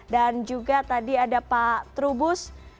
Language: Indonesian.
dan juga tadi ada pak trubus